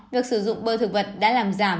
việc sử dụng bơ thực vật đã làm giảm